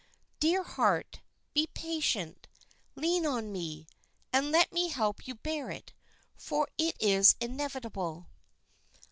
"Dear heart, be patient; lean on me, and let me help you bear it, for it is inevitable."